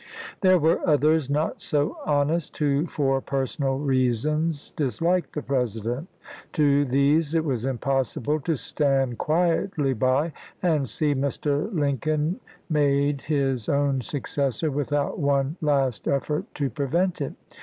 There were others not so honest who for personal reasons disliked the President. To these it was impossible to stand quietly by and see Mr. Lincoln made his own successor without one last effort to prevent it.